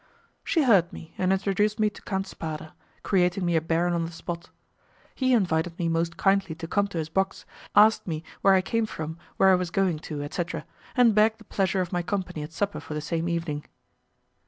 She heard me and introduced me to Count Spada, creating me a baron on the spot. He invited me most kindly to come to his box, asked me where I came from, where I was going to, etc., and begged the pleasure of my company at supper for the same evening.